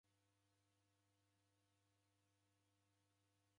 Iri mizango ni ra mzenyu